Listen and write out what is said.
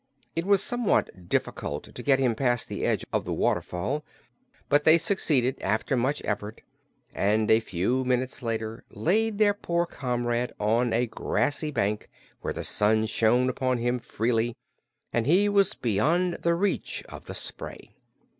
It was somewhat difficult to get him past the edge of the waterfall, but they succeeded, after much effort, and a few minutes later laid their poor comrade on a grassy bank where the sun shone upon him freely and he was beyond the reach of the spray.